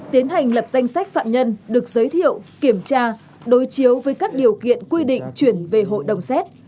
tiến hành lập danh sách phạm nhân được giới thiệu kiểm tra đối chiếu với các điều kiện quy định chuyển về hội đồng xét